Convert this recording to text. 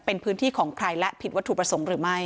เป็นพื้นที่ของใครและผิดวัตถุประสงค์หรือไม่